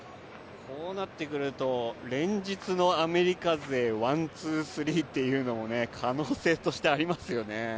こうなってくると連日のアメリカ勢、１・２・３というのも可能性としてありますよね。